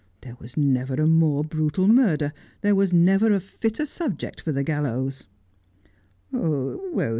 There was never a more brutal murder — there was never a fitter subject for the gallows.'